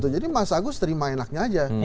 jadi mas agus terima enaknya saja